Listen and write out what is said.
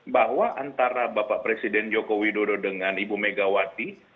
bahwa antara bapak presiden joko widodo dengan ibu megawati